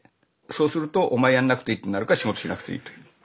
そうすると「お前やんなくていい」ってなるから仕事しなくていいという。